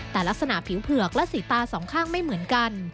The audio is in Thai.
แต่ลักษณะผิวเผือกและสีตาสองข้างไม่เหมือนกัน